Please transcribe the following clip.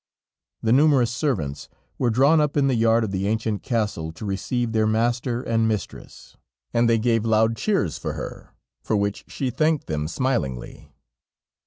The numerous servants were drawn up in the yard of the ancient castle to receive their master and mistress, and they gave loud cheers for her, for which she thanked them smilingly.